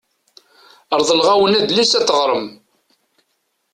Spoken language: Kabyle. Reḍleɣ-awen adlis ad t-teɣrem.